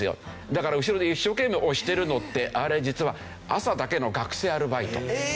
だから後ろで一生懸命押してるのってあれ実は朝だけの学生アルバイト。